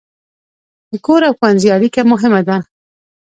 د کور او ښوونځي اړیکه مهمه ده.